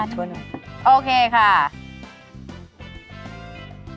เชฟเชฟใส่ชั่วหน่อย